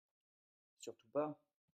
Surtout pas !